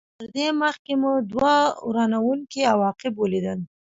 تر دې مخکې مو دوه ورانوونکي عواقب ولیدل.